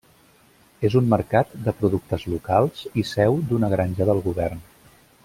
És un mercat de productes locals i seu d'una granja del govern.